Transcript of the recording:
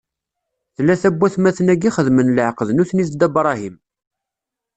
Tlata n watmaten-agi xedmen leɛqed nutni d Dda Bṛahim.